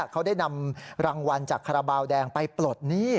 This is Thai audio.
เขาได้นำรางวัลจากคาราบาลแดงไปปลดหนี้